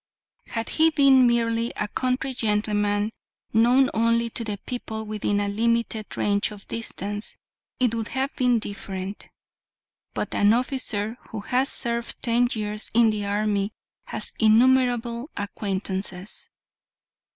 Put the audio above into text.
Had he been merely a country gentleman, known only to the people within a limited range of distance, it would have been different; but an officer who has served ten years in the army has innumerable acquaintances.